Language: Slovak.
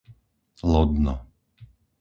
Lodno